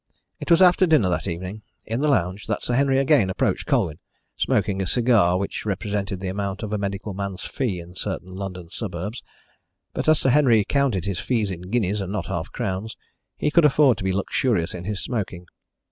It was after dinner that evening, in the lounge, that Sir Henry again approached Colwyn, smoking a cigar, which represented the amount of a medical man's fee in certain London suburbs. But as Sir Henry counted his fees in guineas, and not in half crowns, he could afford to be luxurious in his smoking.